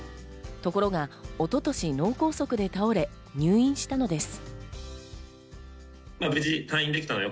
ところが一昨年、脳梗塞で倒れ、入院したのです。